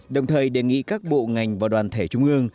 đồng thời đề nghị các bộ ngành và đoàn thể trung ương